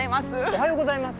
おはようございます。